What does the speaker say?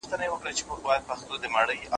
هغه مواد چي ما پیدا کړي وو ډېر ګټور دي.